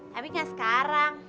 tapi gak sekarang